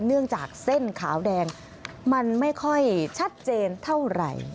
เนื่องจากเส้นขาวแดงมันไม่ค่อยชัดเจนเท่าไหร่